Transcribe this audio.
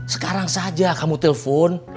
sekarang saja kamu telpon